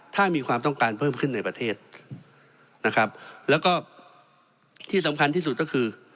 ถ้ามีความต้องการเพิ่มขึ้นในประเทศนะครับแล้วก็ที่สำคัญที่สุดก็คือ